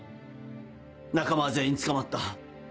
仲間は全員捕まった。